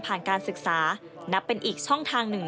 การศึกษานับเป็นอีกช่องทางหนึ่ง